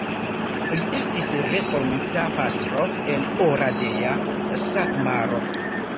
Li estis reformita pastro en Oradea, Satmaro.